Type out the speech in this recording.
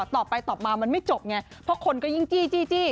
ตอบไปตอบมามันไม่จบไงเพราะคนก็ยิ่งจี้